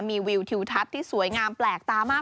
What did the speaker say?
มีวิวทิวทัศน์ที่สวยงามแปลกตามาก